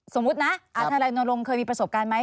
สมมุตินะอาทารายนรมเคยมีประสบการณ์ไหม